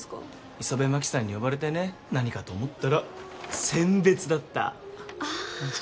イソベマキさんに呼ばれてね何かと思ったらせん別だったああ